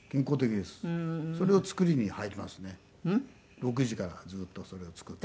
６時からずーっとそれを作って。